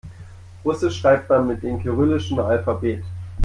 Russisch schreibt man mit dem kyrillischen Alphabet.